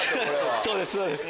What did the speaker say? そうですそうです。